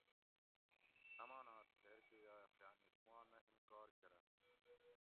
امانت تھیر کہ یائ خیانت ما نہ انکار کرنت